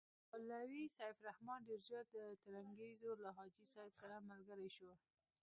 مولوي سیف الرحمن ډېر ژر د ترنګزیو له حاجي صاحب سره ملګری شو.